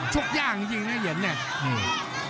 ชกย่างจริงไงเย็นเนี่ย